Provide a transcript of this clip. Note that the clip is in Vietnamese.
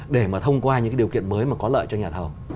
để mà thông qua những cái điều kiện mới mà có lợi cho nhà thầu